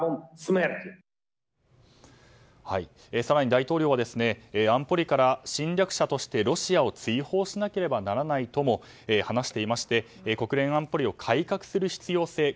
更に大統領は安保理から侵略者としてロシアを追放しなければならないとも話していまして国連安保理を改革する必要性